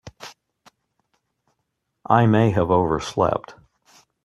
I may have overslept.